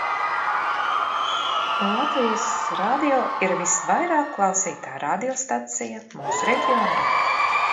Latvijas Radio ir visvairāk klausītā radio stacija mūsu reģionā.